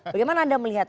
bagaimana anda melihat